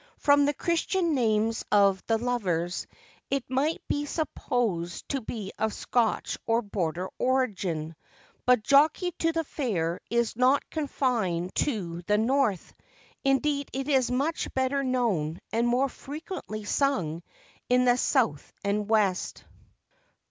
From the christian names of the lovers, it might be supposed to be of Scotch or Border origin; but Jockey to the Fair is not confined to the North; indeed it is much better known, and more frequently sung, in the South and West.